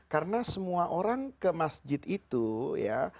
karena semua orang ke masjid itu ya